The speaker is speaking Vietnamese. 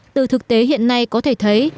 từ thực tế hiện nay có thể thấy